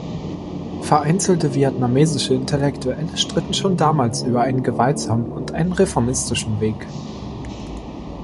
Vereinzelte vietnamesische Intellektuelle stritten schon damals über einen „gewaltsamen“ und einen „reformistischen“ Weg.